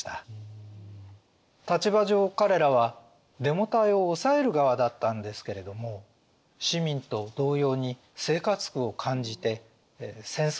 立場上彼らはデモ隊を抑える側だったんですけれども市民と同様に生活苦を感じて戦争に反対していました。